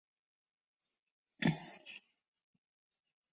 环形真绥螨为植绥螨科真绥螨属下的一个种。